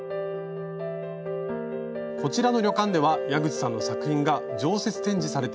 こちらの旅館では矢口さんの作品が常設展示されています。